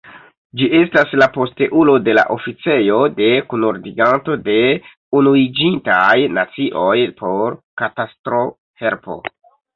Ĝi estas la posteulo de la Oficejo de Kunordiganto de Unuiĝintaj Nacioj por Katastrohelpo.